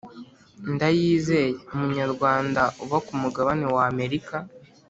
Ndayizeye umunyarwanda uba ku mugabane wa america